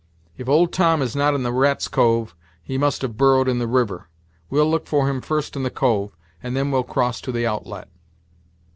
If old Tom is not in the 'Rat's Cove,' he must have burrowed in the river; we'll look for him first in the cove, and then we'll cross to the outlet."